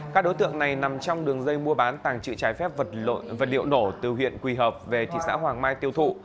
các đối tượng này nằm trong đường dây mua bán tàng trự trái phép vật liệu nổ từ huyện quỳ hợp về thị xã hoàng mai tiêu thụ